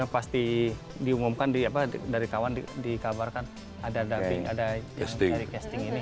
pasti diumumkan dari kawan dikabarkan ada dubbing ada casting ini